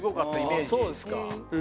ああそうですか。